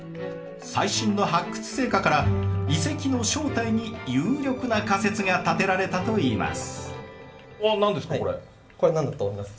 最新の発掘成果から遺跡の正体に有力な仮説が立てられたといいます。